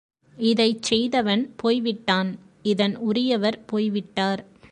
இதைச் செய்தவன் போய்விட்டான் இதன் உரியவர் போய்விட்டார்.